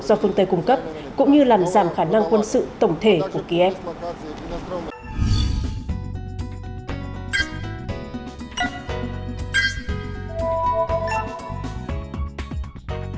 do phương tây cung cấp cũng như làm giảm khả năng quân sự tổng thể của kiev